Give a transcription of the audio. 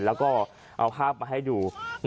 แล้วก็เอาภาพมาให้ดู